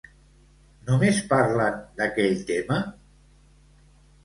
Només parlen d'aquell tema?